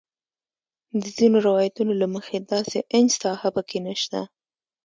د ځینو روایتونو له مخې داسې انچ ساحه په کې نه شته.